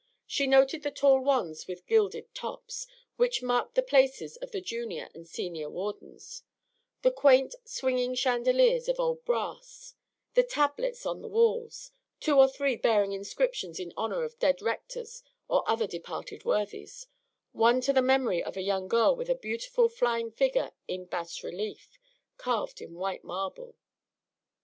She noted the tall wands with gilded tops, which marked the places of the junior and senior wardens; the quaint, swinging chandeliers of old brass; the tablets on the walls, two or three bearing inscriptions in honor of dead rectors or other departed worthies, one to the memory of a young girl, with a beautiful flying figure in bas relief, carved in white marble.